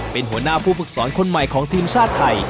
เป็นหัวหน้าผู้ฝึกสอนคนใหม่ของทีมชาติไทย